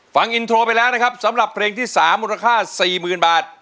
ฟังอินโทรไปแล้วนะครับสำหรับเพลงที่๓มูลค่า๔๐๐๐บาท